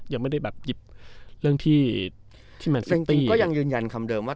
ยังไม่ได้แบบหยิบเรื่องที่มันซึ่งติ้งก็ยังยืนยันคำเดิมว่า